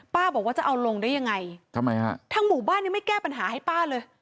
บอกว่าจะเอาลงได้ยังไงทำไมฮะทางหมู่บ้านยังไม่แก้ปัญหาให้ป้าเลย